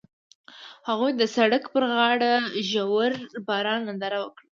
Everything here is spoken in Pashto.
هغوی د سړک پر غاړه د ژور باران ننداره وکړه.